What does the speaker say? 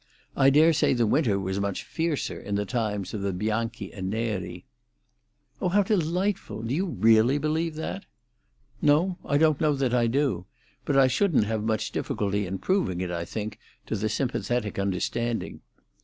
I dare say the winter was much fiercer in the times of the Bianchi and Neri." "Oh, how delightful! Do you really believe that?" "No, I don't know that I do. But I shouldn't have much difficulty in proving it, I think, to the sympathetic understanding."